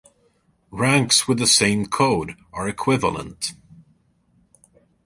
Ranks with the same code are equivalent.